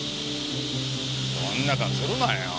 そんな顔するなよ。